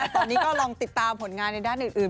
ตอนนี้ก็ลองติดตามผลงานในด้านอื่น